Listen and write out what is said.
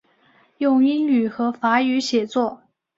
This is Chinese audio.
用英语和法语写作。